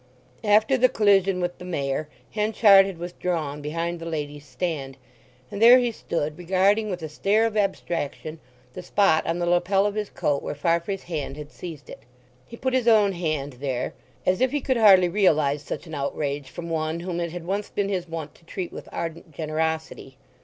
After the collision with the Mayor, Henchard had withdrawn behind the ladies' stand; and there he stood, regarding with a stare of abstraction the spot on the lapel of his coat where Farfrae's hand had seized it. He put his own hand there, as if he could hardly realize such an outrage from one whom it had once been his wont to treat with ardent generosity.